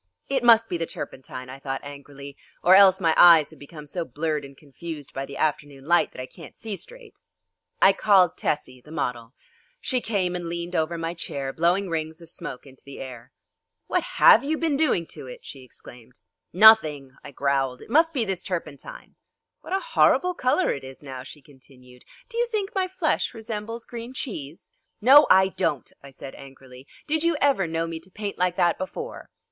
"It must be the turpentine," I thought angrily, "or else my eyes have become so blurred and confused by the afternoon light that I can't see straight." I called Tessie, the model. She came and leaned over my chair blowing rings of smoke into the air. "What have you been doing to it?" she exclaimed "Nothing," I growled, "it must be this turpentine!" "What a horrible colour it is now," she continued. "Do you think my flesh resembles green cheese?" "No, I don't," I said angrily; "did you ever know me to paint like that before?"